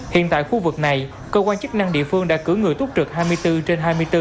hiện tại khu vực này cơ quan chức năng địa phương đã cử người túc trực hai mươi bốn trên hai mươi bốn